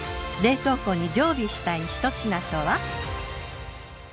冷凍庫に常備したいひと品とは？